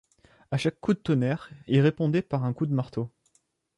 À chaque coup de tonnerre il répondait par un coup de marteau.